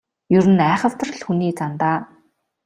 Ер нь айхавтар л хүний зан даа.